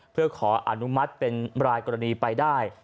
เพื่อขออนุมัติเป็นรายกรณีไปได้